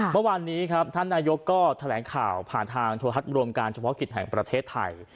เมื่อวานนี้ครับท่านนายกก็แถลงข่าวผ่านทางโทรทัศน์รวมการเฉพาะกิจแห่งประเทศไทย